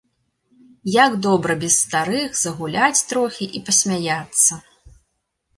Як добра без старых загуляць трохі і пасмяяцца!